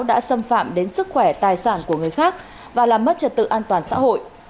đã xâm phạm đến sức khỏe tài sản của người khác và làm mất trật tự an toàn xã hội